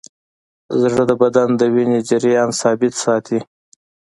زړه د بدن د وینې جریان ثابت ساتي.